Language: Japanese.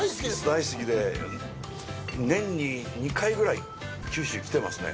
大好きで、年に２回ぐらい九州に来てますね。